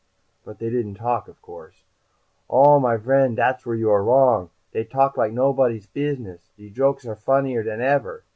"But they didn't talk, of course?" "Oh, my vriend, dat's where you are wrong. Dey talk like nobotty's business. De jokes are funnier than ever.